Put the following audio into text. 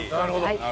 はい。